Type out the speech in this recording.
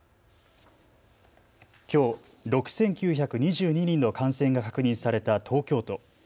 きょう６９２２人の感染が確認された東京都。